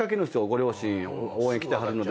ご両親応援来てはるので。